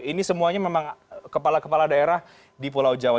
ini semuanya memang kepala kepala daerah di pulau jawa